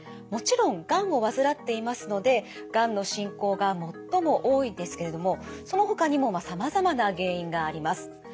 もちろんがんを患っていますのでがんの進行が最も多いですけれどもそのほかにもさまざまな原因があります。